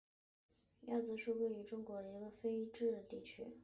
亚兹是位于美国亚利桑那州阿帕契县的一个非建制地区。